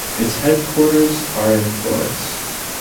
Its headquarters are in Florence.